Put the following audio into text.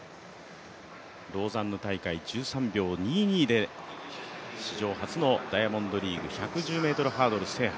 ローザンヌ大会、１３秒２２で史上初のダイヤモンドリーグ１１０ｍハードル制覇。